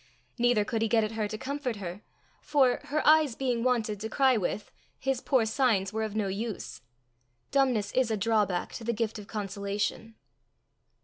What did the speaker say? Neither could he get at her to comfort her, for, her eyes being wanted to cry with, his poor signs were of no use. Dumbness is a drawback to the gift of consolation.